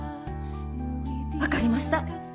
分かりました！